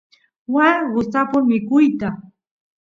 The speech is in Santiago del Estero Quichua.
waa gustapun mikuyta